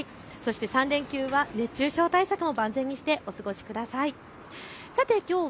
そして３連休は熱中症対策も万全にしてお過ごしください。